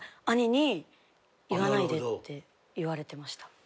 兄に「言わないで」って言われてました。